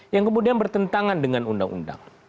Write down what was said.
yang kemudian bertentangan dengan undang undang